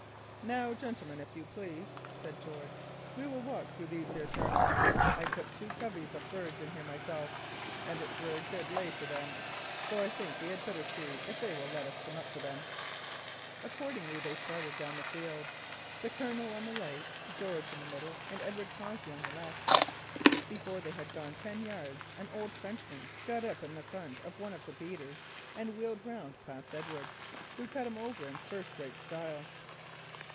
"Now, gentlemen, if you please," said George, "we will walk through these here turnips. I put two coveys of birds in here myself, and it's rare good 'lay' for them; so I think that we had better see if they will let us come nigh them." Accordingly they started down the field, the Colonel on the right, George in the middle and Edward Cossey on the left. Before they had gone ten yards, an old Frenchman got up in the front of one of the beaters and wheeled round past Edward, who cut him over in first rate style.